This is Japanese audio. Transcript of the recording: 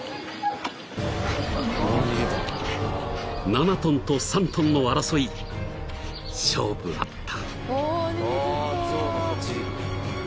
［７ｔと３ｔの争い勝負あった］